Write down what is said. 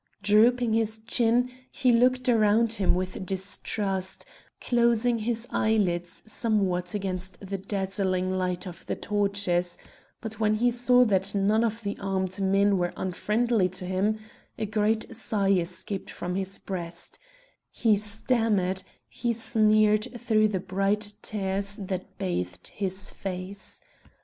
Drooping his chin, he looked round him with distrust, closing his eyelids somewhat against the dazzling light of the torches, but when he saw that none of the armed men were unfriendly to him, a great sigh escaped from his breast; he stammered, he sneered through the bright tears that bathed his face.